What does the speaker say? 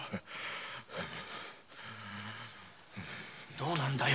どうなんだよ？